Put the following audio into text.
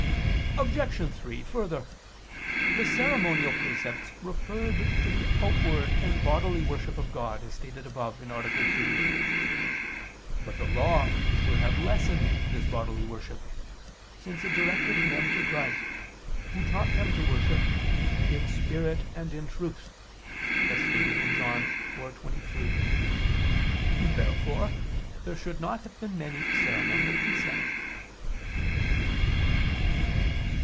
Obj. 3: Further, the ceremonial precepts referred to the outward and bodily worship of God, as stated above (A. 2). But the Law should have lessened this bodily worship: since it directed men to Christ, Who taught them to worship God "in spirit and in truth," as stated in John 4:23. Therefore there should not have been many ceremonial precepts.